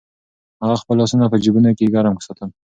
هغه خپل لاسونه په جېبونو کې ګرم ساتل.